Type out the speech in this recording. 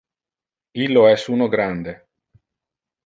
Illo es uno grande.